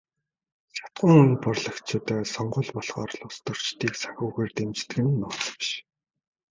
Шатахуун импортлогчид сонгууль болохоор л улстөрчдийг санхүүгээр дэмждэг нь нууц биш.